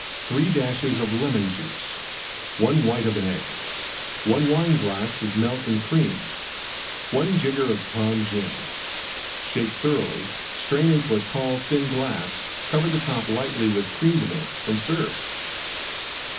3 dashes Lemon Juice. 1 white of an Egg. 1 Wineglass Milk and Cream. 1 jigger Tom Gin. Shake thoroughly; strain into tall, thin glass; cover the top lightly with Creme de Menthe and serve.